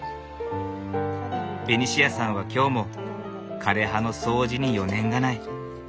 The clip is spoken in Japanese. ベニシアさんは今日も枯れ葉の掃除に余念がない。